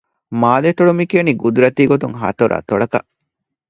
މާލެއަތޮޅު މި ކިޔަނީ ޤުދުރަތީ ގޮތުން ހަތަރު އަތޮޅަކަށް